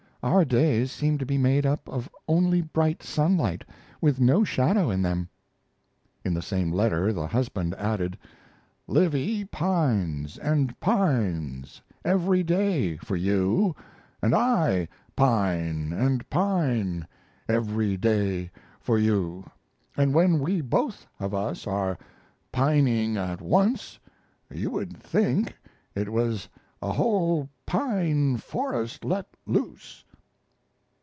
Our days seem to be made up of only bright sunlight, with no shadow in them." In the same letter the husband added: "Livy pines and pines every day for you, and I pine and pine every day for you, and when we both of us are pining at once you would think it was a whole pine forest let loose."